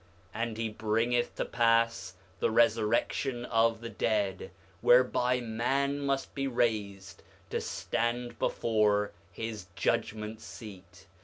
7:6 And he bringeth to pass the resurrection of the dead, whereby man must be raised to stand before his judgment seat.